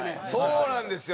そうなんですよ。